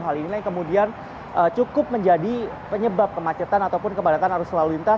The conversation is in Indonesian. hal inilah yang kemudian cukup menjadi penyebab kemacetan ataupun kepadatan arus lalu lintas